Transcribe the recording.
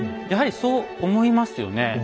やはりそう思いますよね。